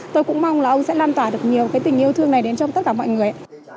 tôi cũng mong là ông sẽ lan tỏa được nhiều cái tình yêu thương này đến trong tất cả mọi người